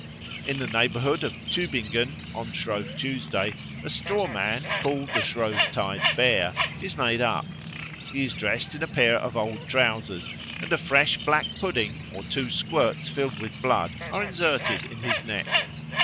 In the neighbourhood of Tübingen on Shrove Tuesday a straw man, called the Shrovetide Bear, is made up; he is dressed in a pair of old trousers, and a fresh black pudding or two squirts filled with blood are inserted in his neck.